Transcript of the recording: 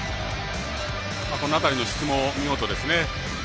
この辺りの質も見事ですね。